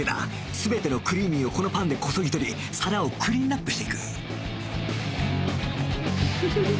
全てのクリーミーをこのパンでこそぎとり皿をクリーンナップしていく